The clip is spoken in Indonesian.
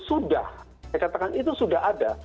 sudah saya katakan itu sudah ada